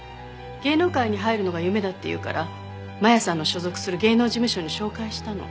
芸能界に入るのが夢だって言うから真弥さんの所属する芸能事務所に紹介したの。